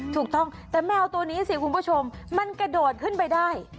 ถูกต้องแต่แมวตัวนี้สิคุณผู้ชมมันกระโดดขึ้นไปได้